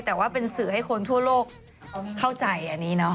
แต่ว่าเป็นสื่อให้คนทั่วโลกเข้าใจอันนี้เนาะ